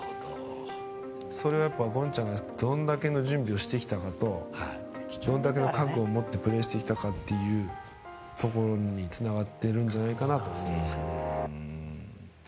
それは権ちゃんがどれだけの準備をしてきたかとどれだけの覚悟を持ってプレーしてきたかというところにつながるってるんじゃないかと思いますけどね。